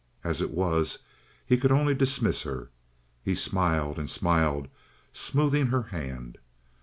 As it was, he could only dismiss her. He smiled and smiled, smoothing her hand.